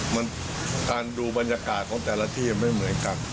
มันการดูบรรยากาศของแต่ละที่ไม่เหมือนกัน